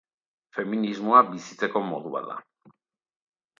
Feminismoa bizitzeko modu bat da.